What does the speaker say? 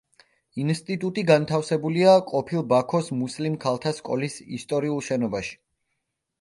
ინსტიტუტი განთავსებულია ყოფილ ბაქოს მუსლიმ ქალთა სკოლის ისტორიულ შენობაში.